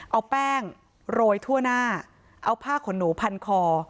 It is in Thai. เอาแป้งโรยทั่วหน้าเอาผ้าขนหนูพันคอ